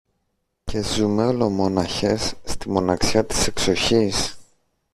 Και ζούμε, ολομόναχες, στη μοναξιά της εξοχής